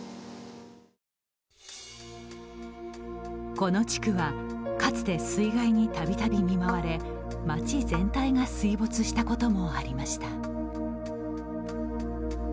この地区はかつて水害にたびたび見舞われ町全体が水没したこともありました。